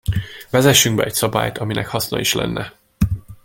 Vezessünk be egy szabályt, aminek haszna is lenne!